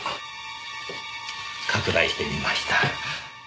拡大してみました。